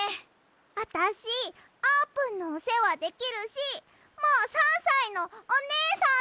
あたしあーぷんのおせわできるしもう３さいのおねえさんだもん！